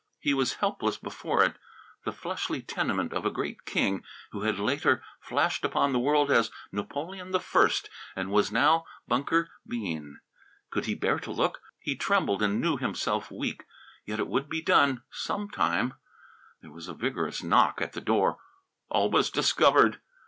He was helpless before it. The fleshly tenement of a great king who had later flashed upon the world as Napoleon I, and was now Bunker Bean! Could he bear to look? He trembled and knew himself weak. Yet it would be done, some time. There was a vigorous knock at the door. All was discovered!